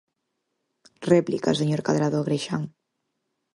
Réplica, señor Cadrado Agrexán.